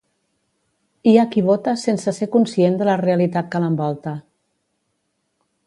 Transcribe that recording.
Hi ha qui vota sense ser conscient de la realitat que l'envolta